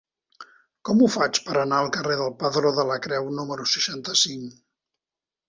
Com ho faig per anar al carrer del Pedró de la Creu número seixanta-cinc?